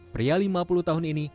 pria lima puluh tahun ini